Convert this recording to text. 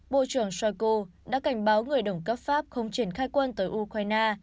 bộ trưởng shoiko đã cảnh báo người đồng cấp pháp không triển khai quân tới ukraine